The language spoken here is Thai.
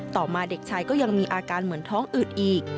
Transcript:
ต่อมาเด็กชายก็ยังมีอาการเหมือนท้องอืดอีก